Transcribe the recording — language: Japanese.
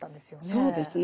そうですね。